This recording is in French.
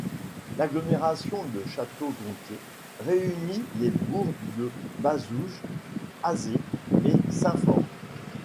L'agglomération de Château-Gontier réunit les bourgs de Bazouges, Azé et Saint-Fort.